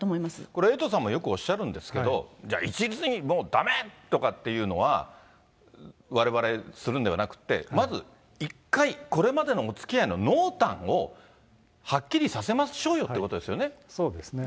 これ、エイトさんもよくおっしゃるんですけれども、じゃあ、一律にもうだめとかいうのは、われわれするんではなくて、まず一回、これまでのおつきあいの濃淡をはっきりさせましょうよということそうですね。